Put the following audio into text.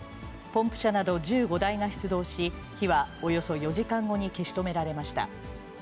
ポンプ車など１５台が出動し、火はおよそ４時間後に消し止められました。